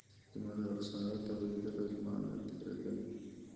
زما د رخساره تاویدله، زمانه تیره ده